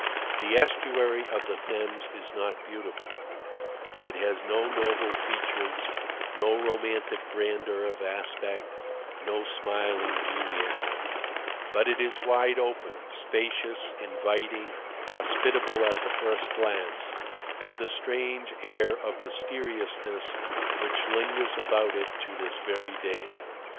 The estuary of the Thames is not beautiful; it has no noble features, no romantic grandeur of aspect, no smiling geniality; but it is wide open, spacious, inviting, hospitable at the first glance, with a strange air of mysteriousness which lingers about it to this very day.